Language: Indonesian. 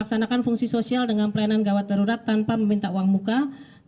melaksanakan fungsi sosial dengan pelayanan gawat darurat tanpa meminta uang muka